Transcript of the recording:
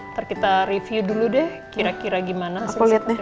nanti kita review dulu deh kira kira gimana hasilnya